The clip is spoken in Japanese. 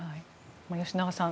吉永さん